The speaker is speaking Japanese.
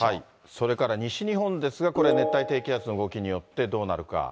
それから西日本ですが、これ、熱帯低気圧の動きによって、どうなるか。